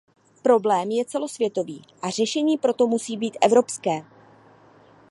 Problém je celosvětový, a řešení proto musí být evropské.